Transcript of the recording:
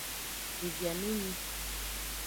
Devi amenyi.